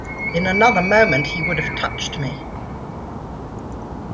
In another moment he would have touched me.